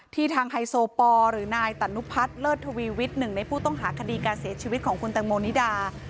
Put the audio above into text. ทางไฮโซปอลหรือนายตานุพัฒน์เลิศทวีวิทย์หนึ่งในผู้ต้องหาคดีการเสียชีวิตของคุณแตงโมนิดา